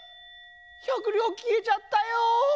１００りょうきえちゃったよ！